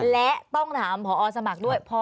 และต้องถามพอสมัครด้วย